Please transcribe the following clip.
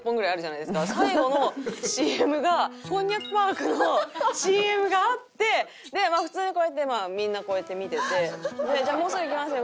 最後のＣＭがこんにゃくパークのＣＭがあって普通にこうやってみんなこうやって見てて「じゃあもうすぐいきますよ。